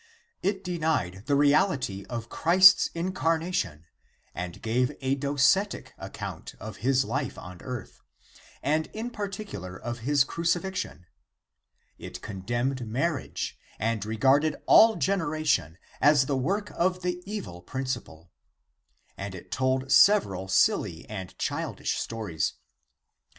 It denied the reality of Christ's incarna tion, and gave a Docetic account of his life on earth, and in particular of his crucifixion; it condemned marriage, and regarded all generation as the work of the evil principle; and it told several silly and childish stories.